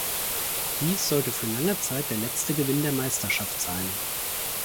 Dies sollte für lange Zeit der letzte Gewinn der Meisterschaft sein.